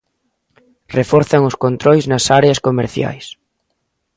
Reforzan os controis nas áreas comerciais.